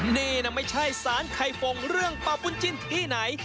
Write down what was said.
นี่นะไม่ใช่สารไข่ฟงเรื่องปลาบุญจิ้นที่ไหน